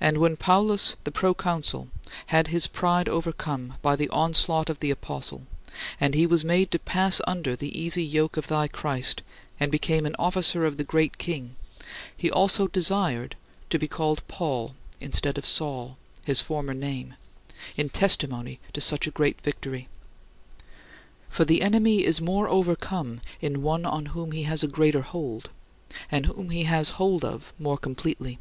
And when Paulus the proconsul had his pride overcome by the onslaught of the apostle and he was made to pass under the easy yoke of thy Christ and became an officer of the great King, he also desired to be called Paul instead of Saul, his former name, in testimony to such a great victory. For the enemy is more overcome in one on whom he has a greater hold, and whom he has hold of more completely.